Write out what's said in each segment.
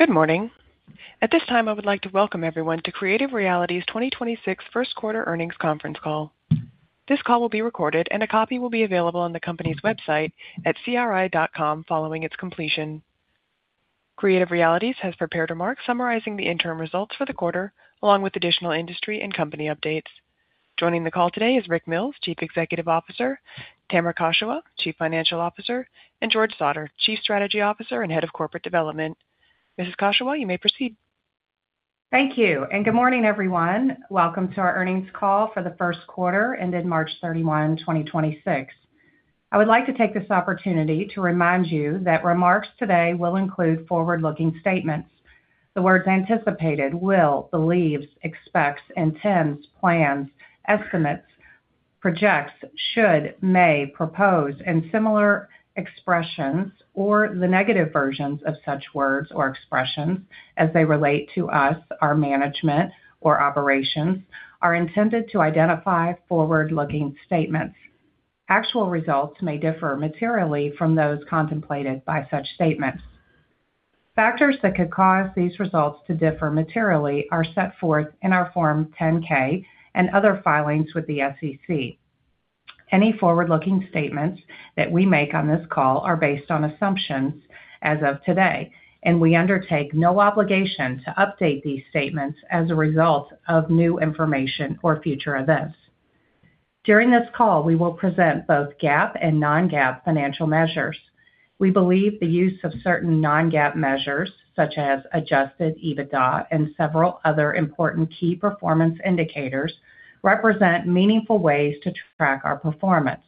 Good morning. At this time, I would like to welcome everyone to Creative Realities' 2026 first quarter earnings conference call. This call will be recorded, and a copy will be available on the company's website at cri.com following its completion. Creative Realities has prepared remarks summarizing the interim results for the quarter, along with additional industry and company updates. Joining the call today is Rick Mills, Chief Executive Officer, Tamra Koshewa, Chief Financial Officer, and George Sautter, Chief Strategy Officer and Head of Corporate Development. Mrs. Koshewa, you may proceed. Thank you, and good morning, everyone. Welcome to our earnings call for the first quarter ended March 31, 2026. I would like to take this opportunity to remind you that remarks today will include forward-looking statements. The words anticipated, will, believes, expects, intends, plans, estimates, projects, should, may, propose, and similar expressions or the negative versions of such words or expressions as they relate to us, our management, or operations, are intended to identify forward-looking statements. Actual results may differ materially from those contemplated by such statements. Factors that could cause these results to differ materially are set forth in our Form 10-K and other filings with the SEC. Any forward-looking statements that we make on this call are based on assumptions as of today, and we undertake no obligation to update these statements as a result of new information or future events. During this call, we will present both GAAP and non-GAAP financial measures. We believe the use of certain non-GAAP measures, such as adjusted EBITDA and several other important key performance indicators, represent meaningful ways to track our performance.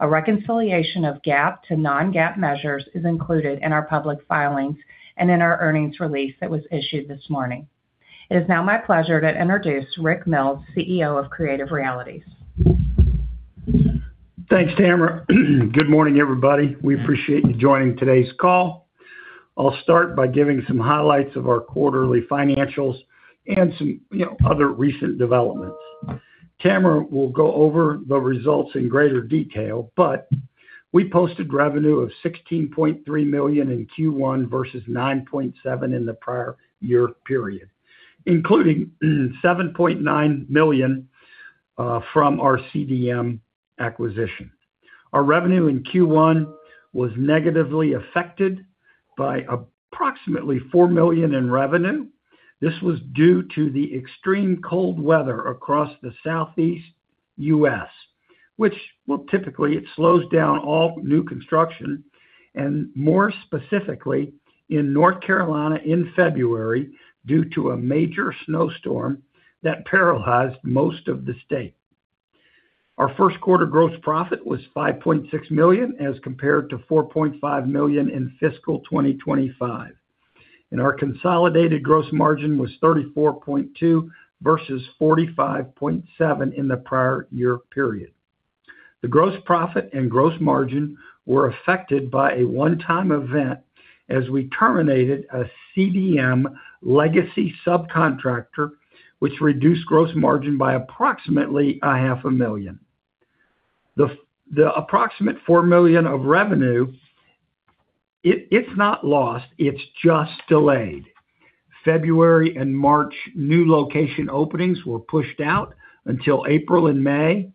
A reconciliation of GAAP to non-GAAP measures is included in our public filings and in our earnings release that was issued this morning. It is now my pleasure to introduce Rick Mills, CEO of Creative Realities. Thanks, Tamra. Good morning, everybody. We appreciate you joining today's call. I'll start by giving some highlights of our quarterly financials and some, you know, other recent developments. Tamra will go over the results in greater detail, but we posted revenue of $16.3 million in Q1 versus $9.7 million in the prior year period, including $7.9 million from our CDM acquisition. Our revenue in Q1 was negatively affected by approximately $4 million in revenue. This was due to the extreme cold weather across the Southeast U.S., well, typically it slows down all new construction, and more specifically, in North Carolina in February, due to a major snowstorm that paralyzed most of the state. Our first quarter gross profit was $5.6 million as compared to $4.5 million in fiscal 2025. Our consolidated gross margin was 34.2% versus 45.7% in the prior year period. The gross profit and gross margin were affected by a one-time event as we terminated a CDM legacy subcontractor, which reduced gross margin by approximately a $500,000. The approximate $4 million of revenue, it's not lost, it's just delayed. February and March new location openings were pushed out until April and May.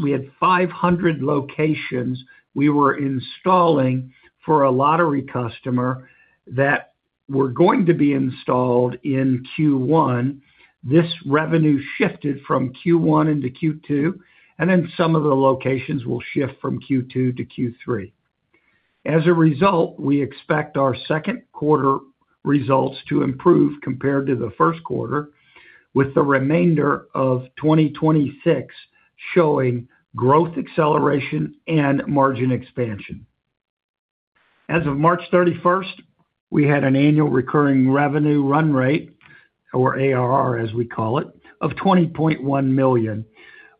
We had 500 locations we were installing for a lottery customer that were going to be installed in Q1. This revenue shifted from Q1 into Q2, some of the locations will shift from Q2 to Q3. We expect our second quarter results to improve compared to the first quarter, with the remainder of 2026 showing growth acceleration and margin expansion. As of March 31st, we had an annual recurring revenue run rate, or ARR as we call it, of $20.1 million,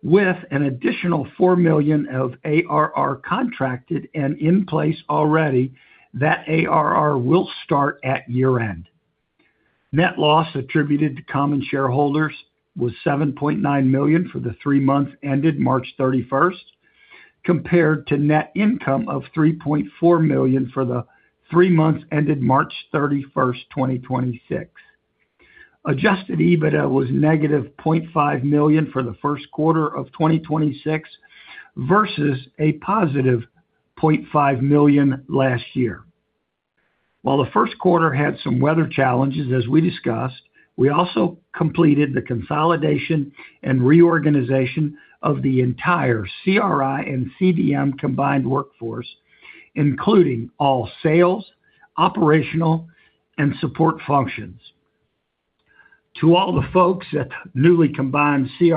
with an additional $4 million of ARR contracted and in place already. That ARR will start at year-end. Net loss attributed to common shareholders was $7.9 million for the three months ended March 31st, compared to net income of $3.4 million for the three months ended March 31st, 2026. Adjusted EBITDA was -$0.5 million for the first quarter of 2026 versus a positive $0.5 million last year. While the first quarter had some weather challenges, as we discussed, we also completed the consolidation and reorganization of the entire CRI and CDM combined workforce, including all sales, operational, and support functions. To all the folks at newly combined CRI,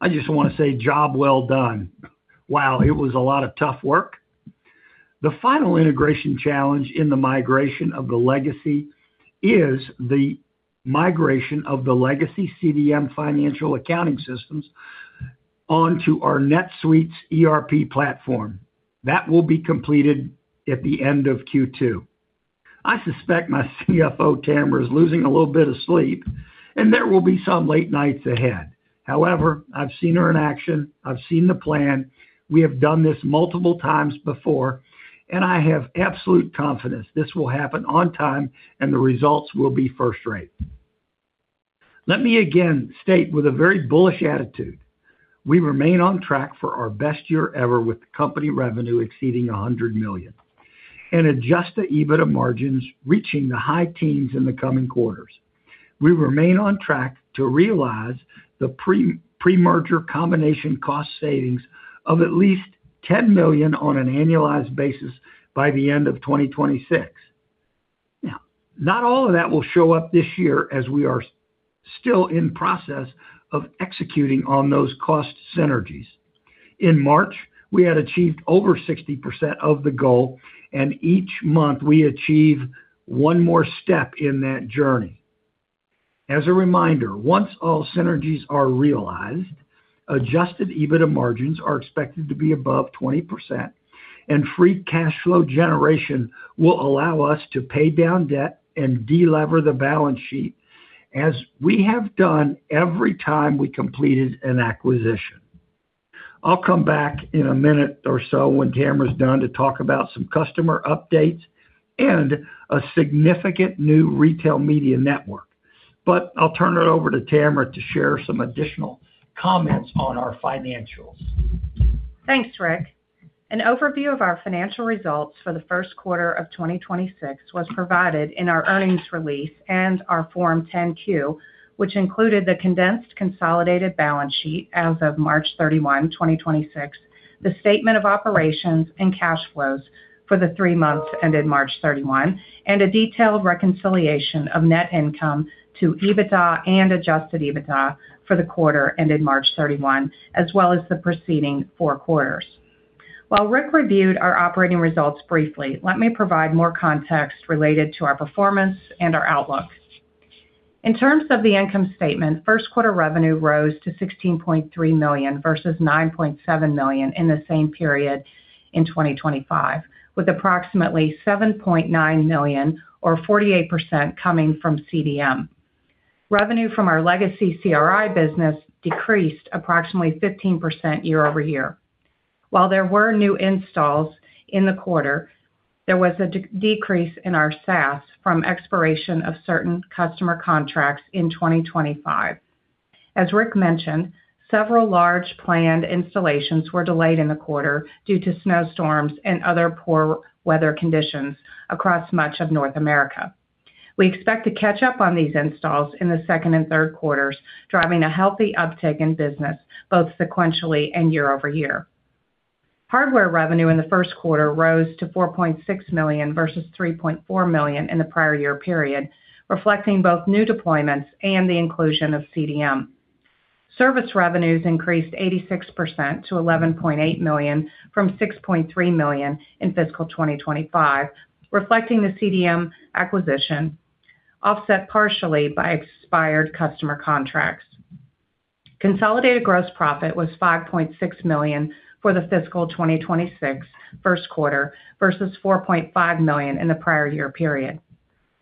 I just wanna say job well done. Wow, it was a lot of tough work. The final integration challenge in the migration of the legacy is the migration of the legacy CDM financial accounting systems onto our NetSuite ERP platform. That will be completed at the end of Q2. I suspect my CFO, Tamra, is losing a little bit of sleep. There will be some late nights ahead. However, I've seen her in action. I've seen the plan. We have done this multiple times before, and I have absolute confidence this will happen on time and the results will be first rate. Let me again state with a very bullish attitude, we remain on track for our best year ever with the company revenue exceeding $100 million and adjusted EBITDA margins reaching the high teens in the coming quarters. We remain on track to realize the pre-merger combination cost savings of at least $10 million on an annualized basis by the end of 2026. Not all of that will show up this year as we are still in process of executing on those cost synergies. In March, we had achieved over 60% of the goal, and each month we achieve one more step in that journey. As a reminder, once all synergies are realized, adjusted EBITDA margins are expected to be above 20% and free cash flow generation will allow us to pay down debt and delever the balance sheet as we have done every time we completed an acquisition. I'll come back in a minute or so when Tamra's done to talk about some customer updates and a significant new retail media network. I'll turn it over to Tamra to share some additional comments on our financials. Thanks, Rick. An overview of our financial results for the first quarter of 2026 was provided in our earnings release and our Form 10-Q, which included the condensed consolidated balance sheet as of March 31, 2026, the statement of operations and cash flows for the three months ended March 31, and a detailed reconciliation of net income to EBITDA and adjusted EBITDA for the quarter ended March 31, as well as the preceding four quarters. Rick reviewed our operating results briefly, let me provide more context related to our performance and our outlook. In terms of the income statement, first quarter revenue rose to $16.3 million versus $9.7 million in the same period in 2025, with approximately $7.9 million or 48% coming from CDM. Revenue from our legacy CRI business decreased approximately 15% year-over-year. While there were new installs in the quarter, there was a decrease in our SaaS from expiration of certain customer contracts in 2025. As Rick mentioned, several large planned installations were delayed in the quarter due to snowstorms and other poor weather conditions across much of North America. We expect to catch up on these installs in the second and third quarters, driving a healthy uptick in business both sequentially and year-over-year. Hardware revenue in the first quarter rose to $4.6 million versus $3.4 million in the prior year period, reflecting both new deployments and the inclusion of CDM. Service revenues increased 86% to $11.8 million from $6.3 million in fiscal 2025, reflecting the CDM acquisition, offset partially by expired customer contracts. Consolidated gross profit was $5.6 million for the fiscal 2026 first quarter versus $4.5 million in the prior year period.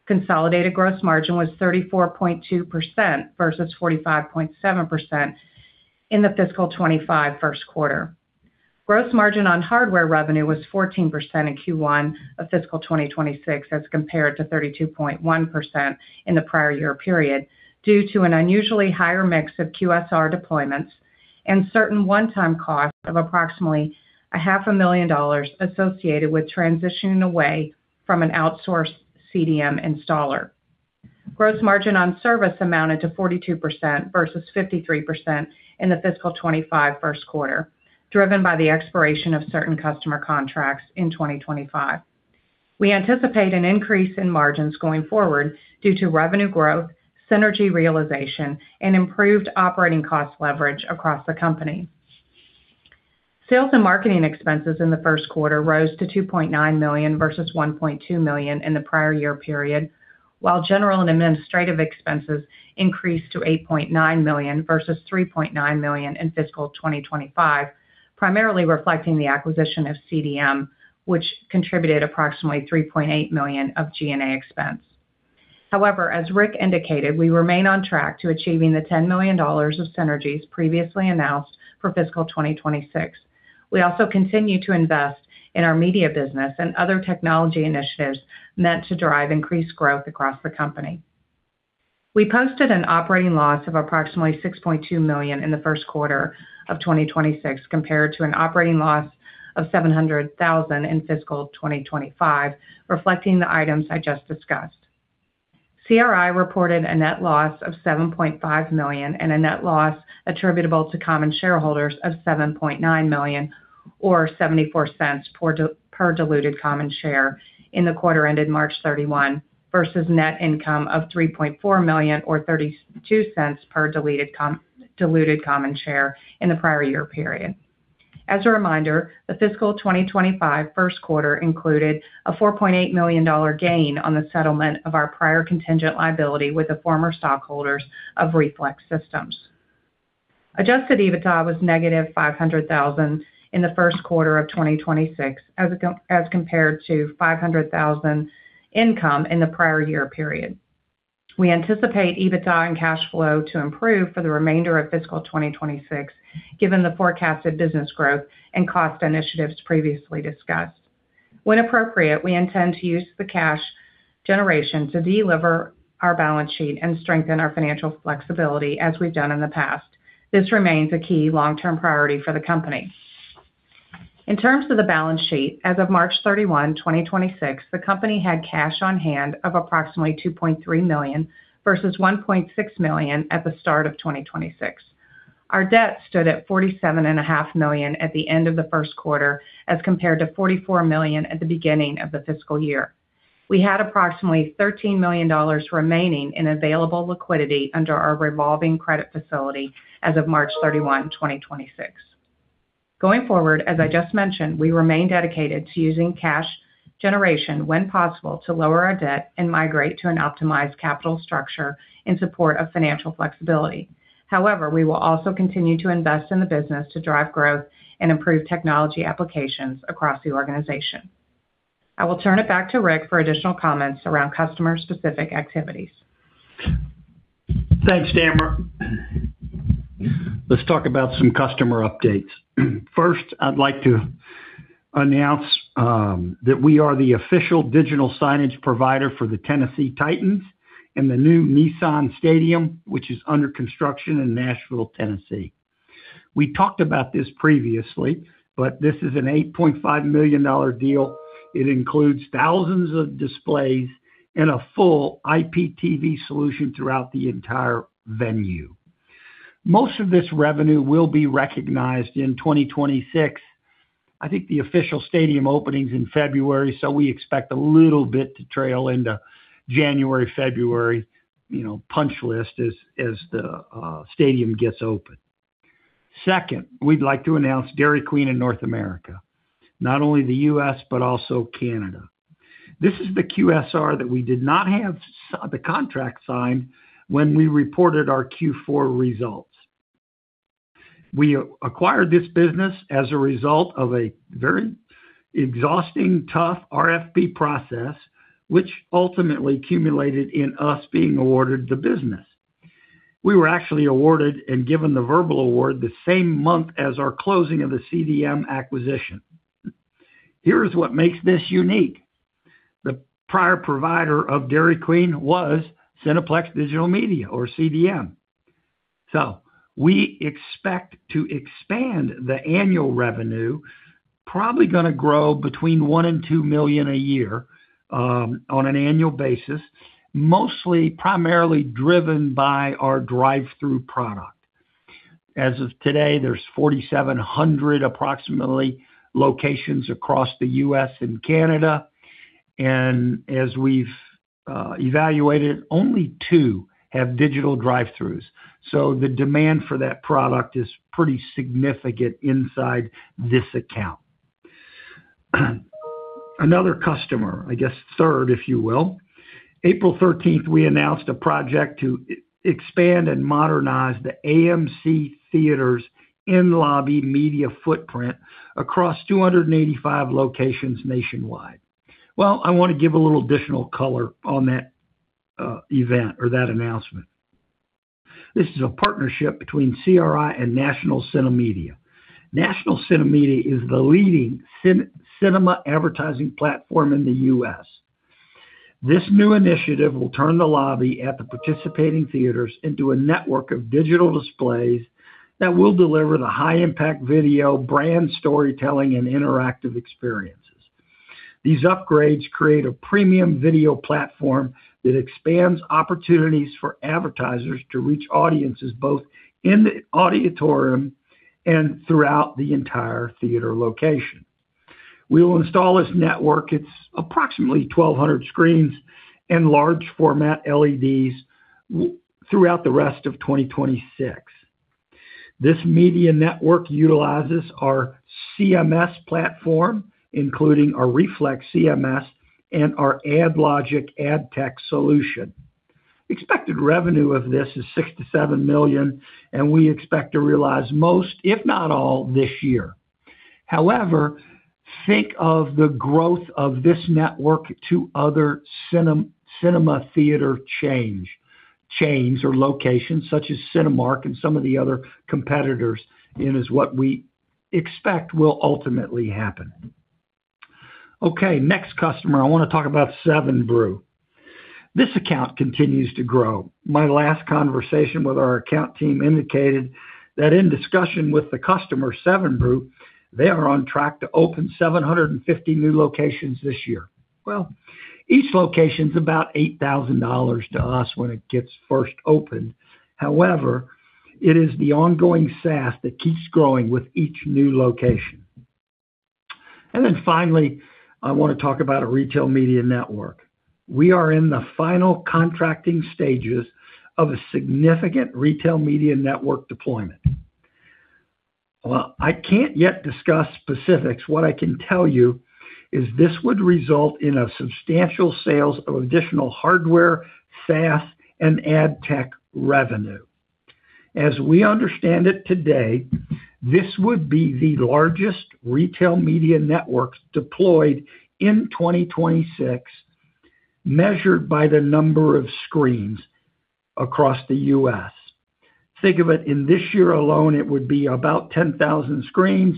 Consolidated gross margin was 34.2% versus 45.7% in the fiscal 2025 first quarter. Gross margin on hardware revenue was 14% in Q1 of fiscal 2026 as compared to 32.1% in the prior year period due to an unusually higher mix of QSR deployments and certain one-time costs of approximately a $500,000 associated with transitioning away from an outsourced CDM installer. Gross margin on service amounted to 42% versus 53% in the fiscal 2025 first quarter, driven by the expiration of certain customer contracts in 2025. We anticipate an increase in margins going forward due to revenue growth, synergy realization, and improved operating cost leverage across the company. Sales and marketing expenses in the first quarter rose to $2.9 million versus $1.2 million in the prior year period, while general and administrative expenses increased to $8.9 million versus $3.9 million in fiscal 2025, primarily reflecting the acquisition of CDM, which contributed approximately $3.8 million of G&A expense. However, as Rick indicated, we remain on track to achieving the $10 million of synergies previously announced for fiscal 2026. We also continue to invest in our media business and other technology initiatives meant to drive increased growth across the company. We posted an operating loss of approximately $6.2 million in the first quarter of 2026 compared to an operating loss of $700,000 in fiscal 2025, reflecting the items I just discussed. CRI reported a net loss of $7.5 million and a net loss attributable to common shareholders of $7.9 million or $0.74 per diluted common share in the quarter ended March 31 versus net income of $3.4 million or $0.32 per diluted common share in the prior year period. As a reminder, the fiscal 2025 first quarter included a $4.8 million gain on the settlement of our prior contingent liability with the former stockholders of Reflect Systems, Inc. Adjusted EBITDA was -$500,000 in the first quarter of 2026 as compared to $500,000 income in the prior year period. We anticipate EBITDA and cash flow to improve for the remainder of fiscal 2026, given the forecasted business growth and cost initiatives previously discussed. When appropriate, we intend to use the cash generation to delever our balance sheet and strengthen our financial flexibility as we've done in the past. This remains a key long-term priority for the company. In terms of the balance sheet, as of March 31, 2026, the company had cash on hand of approximately $2.3 million versus $1.6 million at the start of 2026. Our debt stood at $47.5 million at the end of the first quarter as compared to $44 million at the beginning of the fiscal year. We had approximately $13 million remaining in available liquidity under our revolving credit facility as of March 31, 2026. As I just mentioned, we remain dedicated to using cash generation when possible to lower our debt and migrate to an optimized capital structure in support of financial flexibility. However, we will also continue to invest in the business to drive growth and improve technology applications across the organization. I will turn it back to Rick for additional comments around customer-specific activities. Thanks, Tamra. Let's talk about some customer updates. I'd like to announce that we are the official digital signage provider for the Tennessee Titans in the new Nissan Stadium, which is under construction in Nashville, Tennessee. We talked about this previously, this is an $8.5 million deal. It includes thousands of displays and a full IPTV solution throughout the entire venue. Most of this revenue will be recognized in 2026. I think the official stadium opening's in February, we expect a little bit to trail into January, February, you know, punch list as the stadium gets open. We'd like to announce Dairy Queen in North America, not only the U.S., also Canada. This is the QSR that we did not have the contract signed when we reported our Q4 results. We acquired this business as a result of a very exhausting, tough RFP process, which ultimately culminated in us being awarded the business. We were actually awarded and given the verbal award the same month as our closing of the CDM acquisition. Here's what makes this unique. The prior provider of Dairy Queen was Cineplex Digital Media, or CDM. We expect to expand the annual revenue, probably gonna grow between $1 million-$2 million a year, on an annual basis, mostly primarily driven by our drive-thru product. As of today, there's 4,700, approximately, locations across the U.S. and Canada. As we've evaluated, only two have digital drive-thrus. The demand for that product is pretty significant inside this account. Another customer, I guess third, if you will. April 13th, we announced a project to expand and modernize the AMC Theatres in-lobby media footprint across 285 locations nationwide. I want to give a little additional color on that event or that announcement. This is a partnership between CRI and National CineMedia. National CineMedia is the leading cinema advertising platform in the U.S. This new initiative will turn the lobby at the participating theaters into a network of digital displays that will deliver the high-impact video, brand storytelling, and interactive experiences. These upgrades create a premium video platform that expands opportunities for advertisers to reach audiences both in the auditorium and throughout the entire theater location. We will install this network, it's approximately 1,200 screens and large format LEDs throughout the rest of 2026. This media network utilizes our CMS platform, including our Reflect CMS and our AdLogic ad tech solution. Expected revenue of this is $6 million-$7 million. We expect to realize most, if not all, this year. Think of the growth of this network to other cinema theater chains or locations such as Cinemark and some of the other competitors in is what we expect will ultimately happen. Next customer. I want to talk about 7 Brew. This account continues to grow. My last conversation with our account team indicated that in discussion with the customer, 7 Brew, they are on track to open 750 new locations this year. Each location's about $8,000 to us when it gets first opened. It is the ongoing SaaS that keeps growing with each new location. Finally, I want to talk about a retail media network. We are in the final contracting stages of a significant retail media network deployment. I can't yet discuss specifics. What I can tell you is this would result in a substantial sales of additional hardware, SaaS, and ad tech revenue. As we understand it today, this would be the largest retail media networks deployed in 2026, measured by the number of screens across the U.S. Think of it, in this year alone, it would be about 10,000 screens,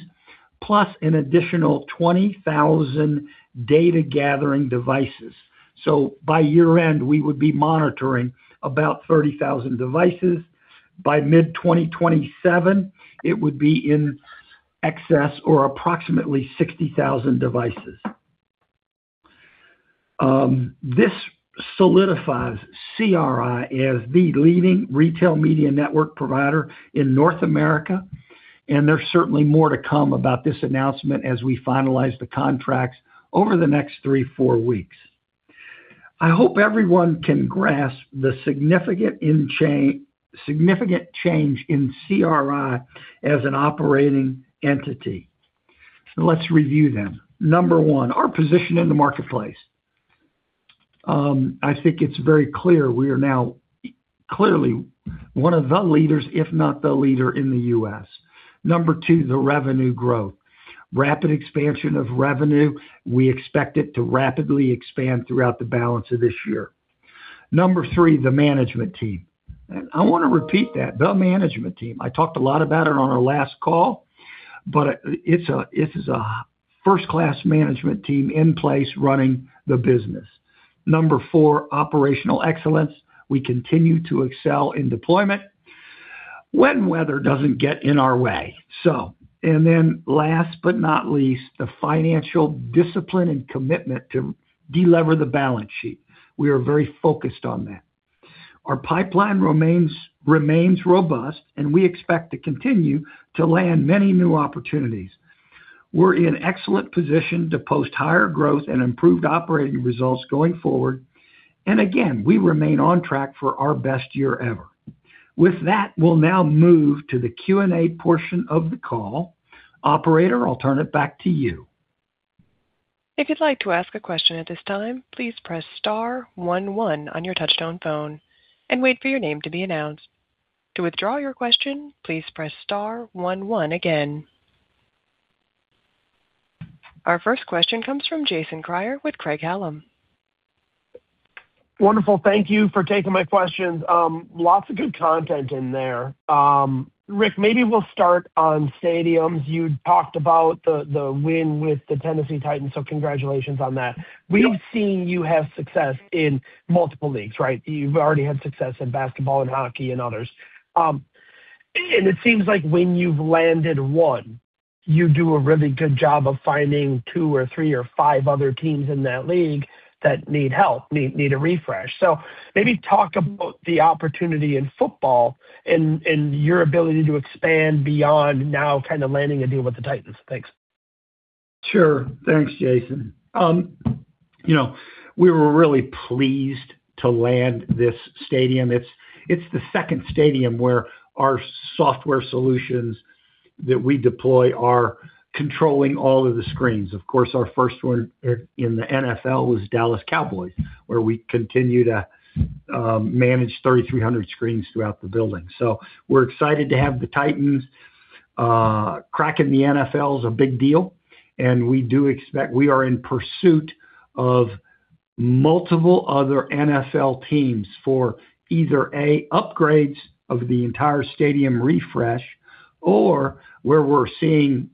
plus an additional 20,000 data-gathering devices. By year-end, we would be monitoring about 30,000 devices. By mid-2027, it would be in excess or approximately 60,000 devices. This solidifies CRI as the leading retail media network provider in North America, and there's certainly more to come about this announcement as we finalize the contracts over the next three, four weeks. I hope everyone can grasp the significant change in CRI as an operating entity. Let's review then. Number one, our position in the marketplace. I think it's very clear we are now clearly one of the leaders, if not the leader in the U.S. Number two, the revenue growth. Rapid expansion of revenue. We expect it to rapidly expand throughout the balance of this year. Number three, the management team. I wanna repeat that, the management team. I talked a lot about it on our last call, but it is a first-class management team in place running the business. Number four, operational excellence. We continue to excel in deployment when weather doesn't get in our way. Last but not least, the financial discipline and commitment to de-lever the balance sheet. We are very focused on that. Our pipeline remains robust. We expect to continue to land many new opportunities. We're in excellent position to post higher growth and improved operating results going forward. Again, we remain on track for our best year ever. With that, we'll now move to the Q&A portion of the call. Operator, I'll turn it back to you. If you'd like to ask a question at this time, please press star one one on your touchtone phone and wait for your name to be announced. To withdraw your question, please press star one one again. Our first question comes from Jason Kreyer with Craig-Hallum. Wonderful. Thank you for taking my questions. Lots of good content in there. Rick, maybe we'll start on stadiums. You talked about the win with the Tennessee Titans, so congratulations on that. We've seen you have success in multiple leagues, right? You've already had success in basketball and hockey and others. It seems like when you've landed one, you do a really good job of finding two or three or five other teams in that league that need help, need a refresh. Maybe talk about the opportunity in football and your ability to expand beyond now kinda landing a deal with the Titans. Thanks. Sure. Thanks, Jason. You know, we were really pleased to land this stadium. It's the second stadium where our software solutions that we deploy are controlling all of the screens. Of course, our first one in the NFL was Dallas Cowboys, where we continue to manage 3,300 screens throughout the building. We're excited to have the Titans. Cracking the NFL is a big deal. We are in pursuit of multiple other NFL teams for either, A, upgrades of the entire stadium refresh, or where we're seeing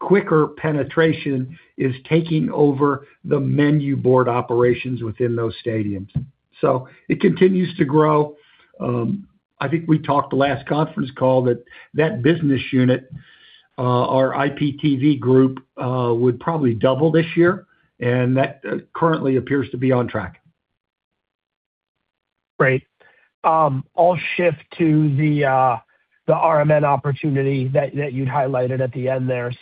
quicker penetration is taking over the menu board operations within those stadiums. It continues to grow. I think we talked the last conference call that that business unit, our IPTV group, would probably double this year, that currently appears to be on track. Great. I'll shift to the RMN opportunity that you'd highlighted at the end there.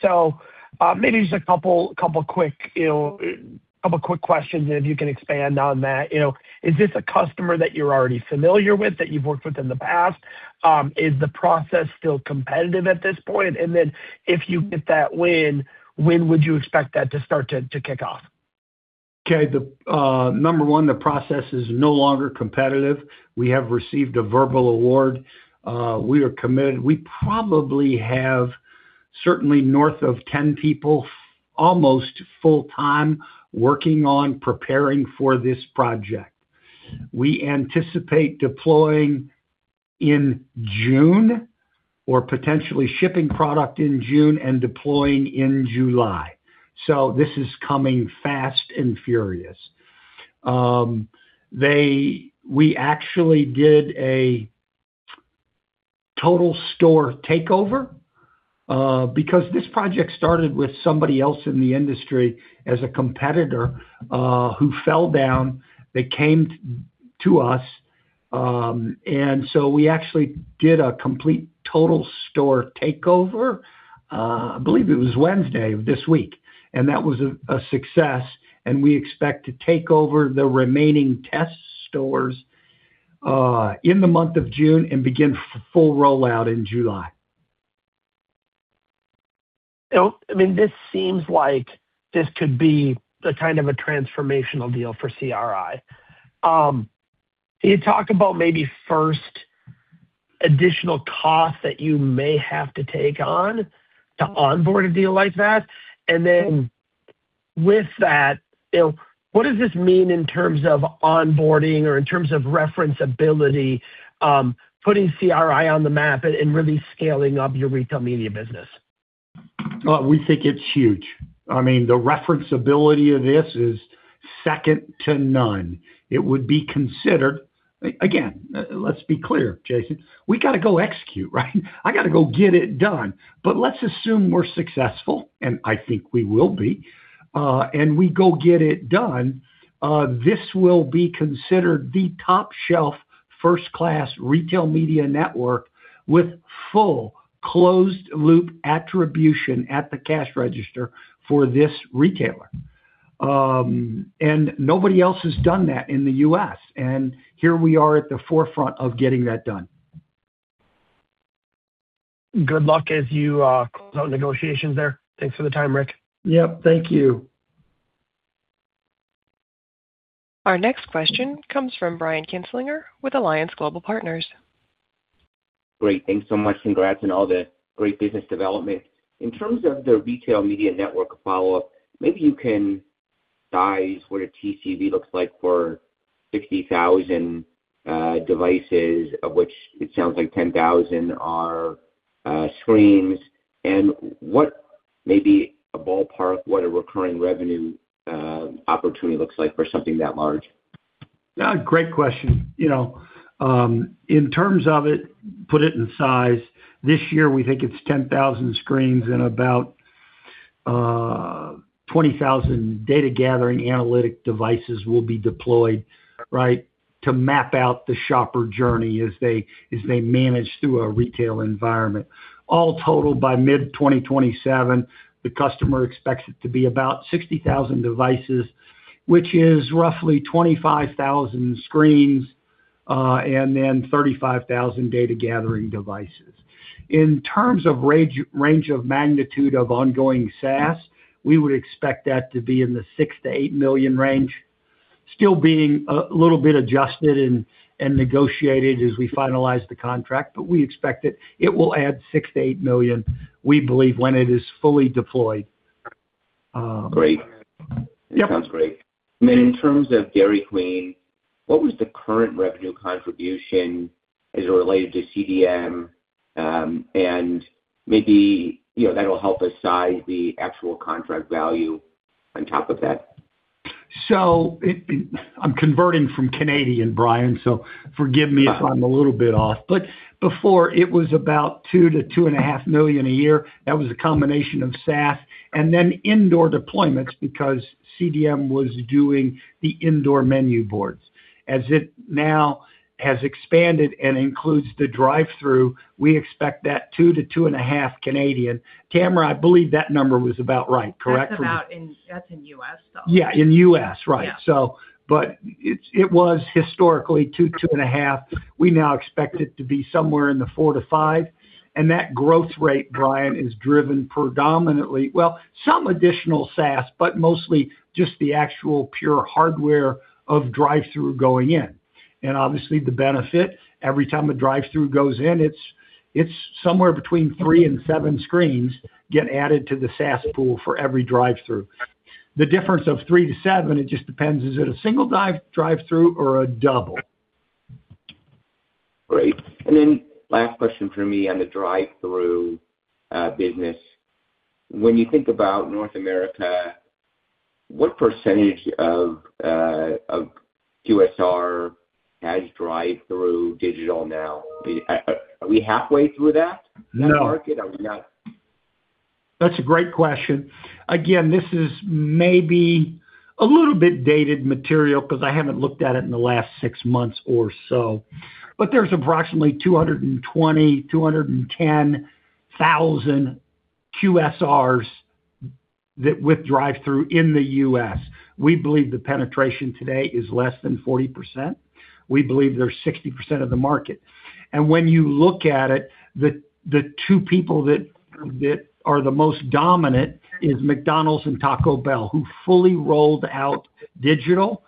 Maybe just a couple quick, you know, quick questions if you can expand on that. You know, is this a customer that you're already familiar with, that you've worked with in the past? Is the process still competitive at this point? If you get that win, when would you expect that to start to kick off? Okay. The Number one, the process is no longer competitive. We have received a verbal award. We are committed. We probably have certainly north of 10 people, almost full-time, working on preparing for this project. We anticipate deploying in June, or potentially shipping product in June and deploying in July. This is coming fast and furious. We actually did a total store takeover because this project started with somebody else in the industry as a competitor who fell down. They came to us, we actually did a complete total store takeover, I believe it was Wednesday of this week. That was a success, and we expect to take over the remaining test stores, in the month of June and begin full rollout in July. You know, I mean, this seems like this could be a kind of a transformational deal for CRI. Can you talk about maybe first additional costs that you may have to take on to onboard a deal like that? Then with that, you know, what does this mean in terms of onboarding or in terms of reference ability, putting CRI on the map and really scaling up your retail media business? Well, we think it's huge. I mean, the reference ability of this is second to none. It would be considered let's be clear, Jason, we gotta go execute, right? I gotta go get it done. Let's assume we're successful, and I think we will be, and we go get it done. This will be considered the top-shelf first-class retail media network with full closed loop attribution at the cash register for this retailer. Nobody else has done that in the U.S., and here we are at the forefront of getting that done. Good luck as you close out negotiations there. Thanks for the time, Rick. Yep. Thank you. Our next question comes from Brian Kinstlinger with Alliance Global Partners. Great. Thanks so much. Congrats on all the great business development. In terms of the retail media network follow-up, maybe you can size what a TCV looks like for 60,000 devices, of which it sounds like 10,000 are screens. What may be a ballpark, what a recurring revenue opportunity looks like for something that large? Great question. You know, in terms of it, put it in size, this year we think it's 10,000 screens and about 20,000 data gathering analytic devices will be deployed, right, to map out the shopper journey as they, as they manage through a retail environment. All totaled, by mid-2027, the customer expects it to be about 60,000 devices, which is roughly 25,000 screens, and then 35,000 data gathering devices. In terms of range of magnitude of ongoing SaaS, we would expect that to be in the $6 million-$8 million range. Still being a little bit adjusted and negotiated as we finalize the contract, but we expect it will add $6 million-$8 million, we believe, when it is fully deployed. Great. Yep. Sounds great. In terms of Dairy Queen, what was the current revenue contribution as it related to CDM? Maybe, you know, that'll help us size the actual contract value on top of that. I'm converting from Canadian, Brian, forgive me if I'm a little bit off. Before it was about $2 million-$2.5 million a year. That was a combination of SaaS and then indoor deployments because CDM was doing the indoor menu boards. As it now has expanded and includes the drive-thru, we expect that 2 million-2.5 million. Tamra, I believe that number was about right, correct? That's in U.S., though. Yeah, in U.S., right. Yeah. But it's, it was historically $2 million-$2.5 million. We now expect it to be somewhere in the $4 million-$5 million. That growth rate, Brian, is driven predominantly, well, some additional SaaS, but mostly just the actual pure hardware of drive-thru going in. Obviously the benefit, every time a drive-thru goes in, it's somewhere between three and seven screens get added to the SaaS pool for every drive-thru. The difference of three to seven, it just depends, is it a single drive-thru or a double? Great. Last question from me on the drive-thru business. When you think about North America, what percentage of QSR has drive-thru digital now? Are we halfway through that? No. In the market? Are we not? That's a great question. Again, this is maybe a little bit dated material because I haven't looked at it in the last six months or so. There's approximately 220,000, 210,000 QSRs that with drive-thru in the U.S. We believe the penetration today is less than 40%. We believe they're 60% of the market. When you look at it, the two people that are the most dominant is McDonald's and Taco Bell, who fully rolled out digital.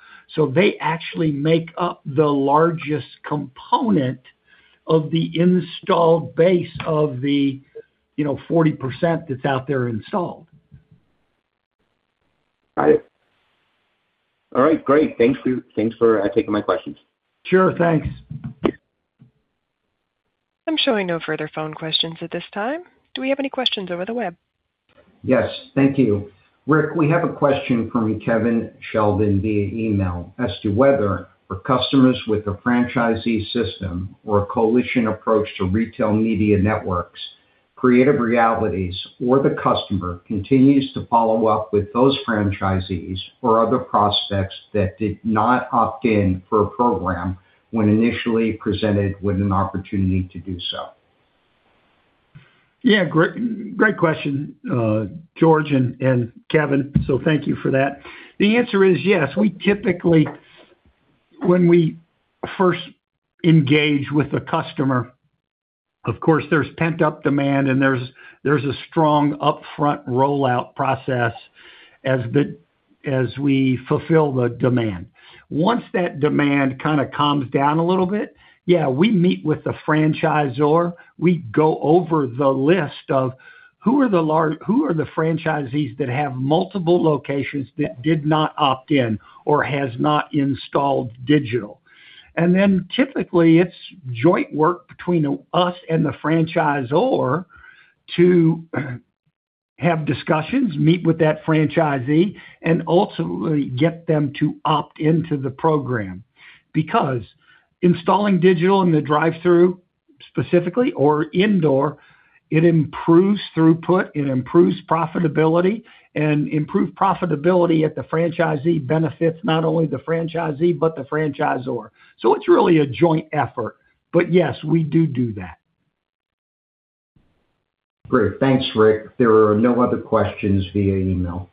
They actually make up the largest component of the installed base of the, you know, 40% that's out there installed. Got it. All right. Great. Thanks for taking my questions. Sure. Thanks. I'm showing no further phone questions at this time. Do we have any questions over the web? Yes. Thank you. Rick, we have a question from Kevin Sheldon via email as to whether for customers with a franchisee system or a coalition approach to retail media networks, Creative Realities or the customer continues to follow up with those franchisees or other prospects that did not opt in for a program when initially presented with an opportunity to do so. Great, great question, George and Kevin. Thank you for that. The answer is yes. We typically When we first engage with a customer, of course, there's pent-up demand, and there's a strong upfront rollout process as we fulfill the demand. Once that demand kind of calms down a little bit, yeah, we meet with the franchisor. We go over the list of who are the franchisees that have multiple locations that did not opt in or has not installed digital. Typically, it's joint work between us and the franchisor to have discussions, meet with that franchisee, and ultimately get them to opt into the program. Installing digital in the drive-thru specifically or indoor, it improves throughput, it improves profitability, and improved profitability at the franchisee benefits not only the franchisee but the franchisor. It's really a joint effort. Yes, we do that. Great. Thanks, Rick. There are no other questions via email.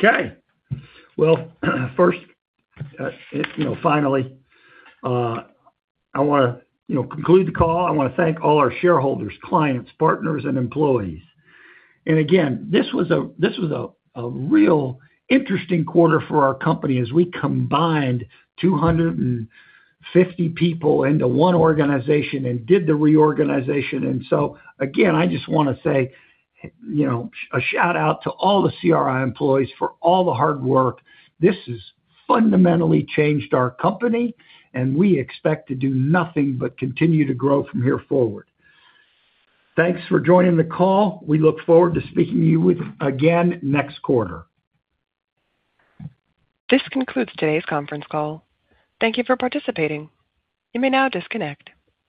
Okay. Well, first, you know, finally, I wanna, you know, conclude the call. I wanna thank all our shareholders, clients, partners, and employees. Again, this was a real interesting quarter for our company as we combined 250 people into one organization and did the reorganization. Again, I just wanna say, you know, a shout-out to all the CRI employees for all the hard work. This has fundamentally changed our company, and we expect to do nothing but continue to grow from here forward. Thanks for joining the call. We look forward to speaking to you with again next quarter. This concludes today's conference call. Thank you for participating. You may now disconnect.